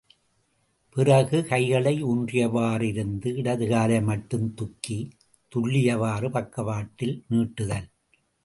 பிறகு கைகளை ஊன்றியவாறு இருந்து இடது காலை மட்டும் துக்கி துள்ளியவாறு பக்கவாட்டில் நீட்டுதல்.